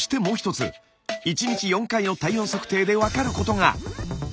もう一つ１日４回の体温測定で分かることが！